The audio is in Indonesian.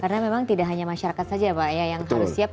karena memang tidak hanya masyarakat saja ya pak ya yang harus siap